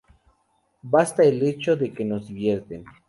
Basta el hecho de que nos divierten.